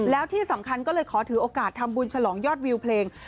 แล้วที่สำคัญก็เลยขอถือโอกาสทำบุญฉลองยอดวิวเพลง